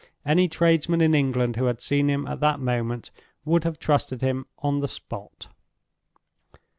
Any tradesman in England who had seen him at that moment would have trusted him on the spot.